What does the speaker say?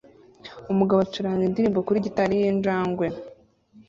Umugabo acuranga indirimbo kuri gitari y'injangwe